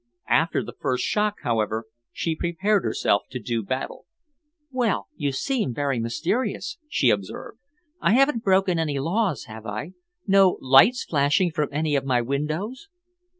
After the first shock, however, she prepared herself to do battle. "Well, you seem very mysterious," she observed. "I haven't broken any laws, have I? No lights flashing from any of my windows?"